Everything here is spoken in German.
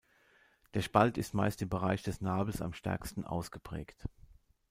Der Spalt ist meist im Bereich des Nabels am stärksten ausgeprägt.